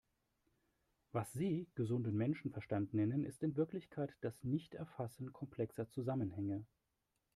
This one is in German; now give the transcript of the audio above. Was Sie gesunden Menschenverstand nennen, ist in Wirklichkeit das Nichterfassen komplexer Zusammenhänge.